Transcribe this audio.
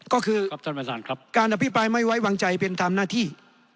ก็คือครับท่านประธานครับการอภิปรายไม่ไว้วางใจเป็นทำหน้าที่